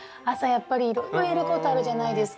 やっぱりいろいろやることあるじゃないですか。